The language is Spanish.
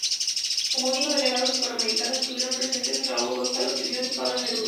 Como únicos delegados hispanoamericanos estuvieron presentes Raúl González Tuñón y Pablo Neruda.